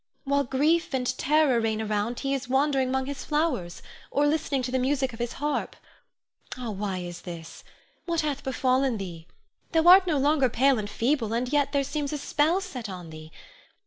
While grief and terror reign around, he is wandering 'mong his flowers, or listening to the music of his harp. Ah, why is this? What hath befallen thee? Thou art no longer pale and feeble, yet there seems a spell set on thee.